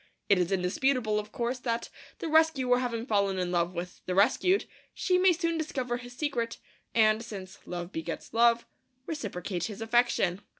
It is indisputable, of course, that, the rescuer having fallen in love with the rescued, she may soon discover his secret, and, since love begets love, reciprocate his affection.